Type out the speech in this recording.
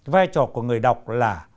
vai trò của người đọc là